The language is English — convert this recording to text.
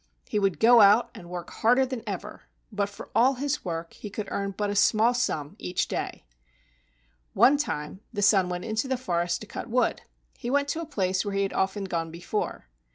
He would go out and work harder than ever, but for all his work he could earn but a small sum each day. One time the son went into the forest to cut wood. He went to a place where he had often gone before.